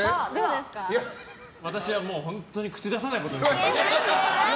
私は本当に口出さないことにします。